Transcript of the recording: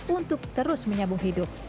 untuk terus menyambung hidup